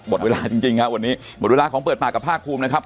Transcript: หมดเวลาจริงครับวันนี้หมดเวลาของเปิดปากกับภาคภูมินะครับ